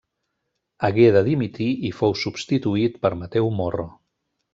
Hagué de dimitir i fou substituït per Mateu Morro.